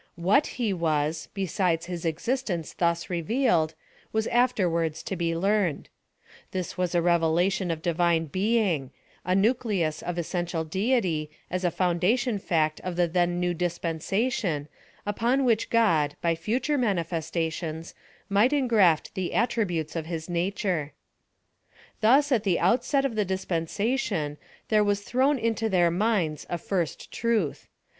What He was, oesides his existence thus revealed, was afterwards to be learned. This was a revelation oi^ Divine be fi^JG— a nucleus of essential deity, as a foundation fact of the tlien new disj^ensation, upon which God, by future manifestations, might engraft the attri butes of his natur<'. Thus, at the outset of the dispensation, there was thrown into tlieir minds a first truth.